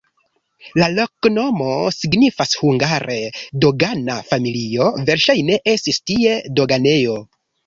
La loknomo signifas hungare "dogana-familio", verŝajne estis tie doganejo.